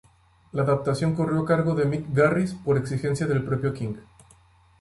La adaptación corrió a cargo de Mick Garris por exigencia del propio King.